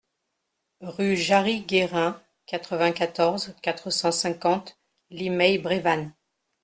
Rue Jarry Guérin, quatre-vingt-quatorze, quatre cent cinquante Limeil-Brévannes